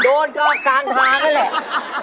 โดนก็กลางทางนั่นแหละ